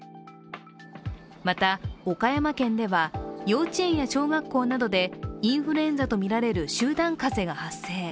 また岡山県では幼稚園や小学校などでインフルエンザとみられる集団風邪が発生。